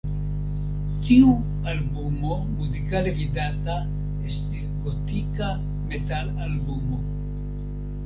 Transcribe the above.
Tiu albumo muzikale vidata estis gotika metalalbumo.